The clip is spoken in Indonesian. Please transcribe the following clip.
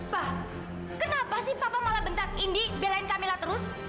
pak kenapa sih papa malah bentar indi belain kamilah terus